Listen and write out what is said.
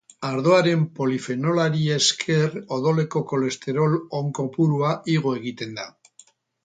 Ardoaren polifenolari esker odoleko kolesterol on kopurua igo egiten da.